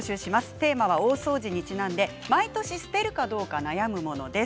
テーマは大掃除にちなんで毎年捨てるかどうか悩むものです。